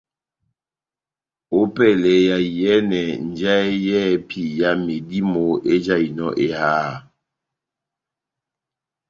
Ópɛlɛ ya iyɛ́nɛ njahɛ yɛ́hɛ́pi ya medímo ejahinɔ eháha.